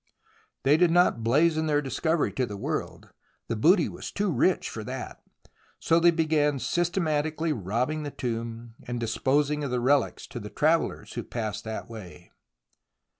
They did not blazon their discovery to the world. The booty was too rich for that, so they began systematically robbing the tomb and disposing of the relics to travellers who passed that way.